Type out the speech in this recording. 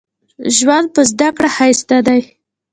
ژوند په زده کړه ښايسته دې